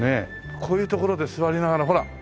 こういう所で座りながらほら。